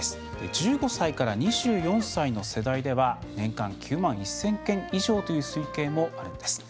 １５歳から２４歳の世代では年間９万１０００件以上という推計もあるんです。